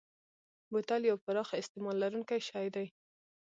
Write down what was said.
بوتل یو پراخ استعمال لرونکی شی دی.